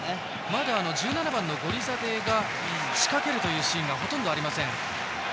まだ１５番のゴリザデーが仕掛けるというシーンがほとんどありません。